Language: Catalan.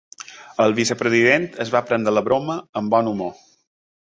El vicepresident es va prendre la broma amb bon humor.